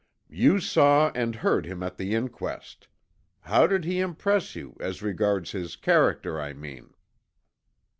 "You saw and heard him at the inquest? How did he impress you, as regards his character, I mean?"